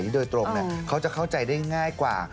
ที่โดยตรงเนี่ยเขาจะเข้าใจได้ง่ายกว่า